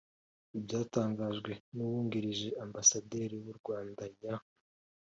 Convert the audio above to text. ibyatangajwe n'uwungirije ambasaderi w'u rwanda ya